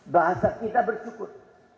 bahasa kita bersyukur